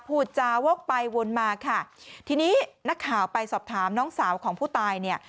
พูดจาวกไปวนมาค่ะทีนี้นักข่าวไปสอบถามน้องสาวของผู้ตายเนี่ย